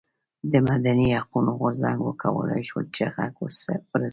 د مدني حقونو غورځنګ وکولای شول چې غږ ورسوي.